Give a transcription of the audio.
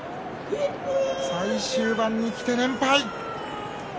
最終盤にきて連敗。